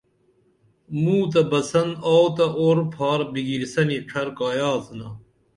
موں تہ بسن آوو تہ اُور پھار بِگِرِسنی چھر کایہ آڅِنا